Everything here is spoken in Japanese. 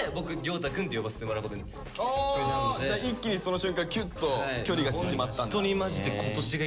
じゃあ一気にその瞬間キュッと距離が縮まったんだ。